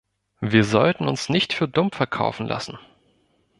Wir sollten uns nicht für dumm verkaufen lassen.